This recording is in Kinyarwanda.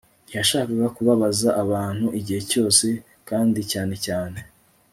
ntiyashakaga kubabaza abantu igihe cyose, kandi cyane cyane